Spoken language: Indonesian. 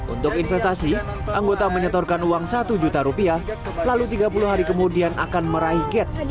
untuk investasi anggota menyetorkan uang satu juta rupiah lalu tiga puluh hari kemudian akan meraih gate